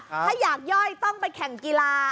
ถ้าอยากย่อยต้องไปแข่งกีฬา